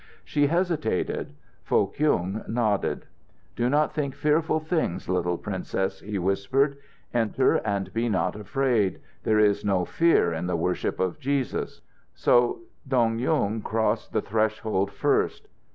She hesitated. Foh Kyung nodded. "Do not think fearful things, little Princess," he whispered. "Enter, and be not afraid. There is no fear in the worship of Jesus." So Dong Yung crossed the threshold first.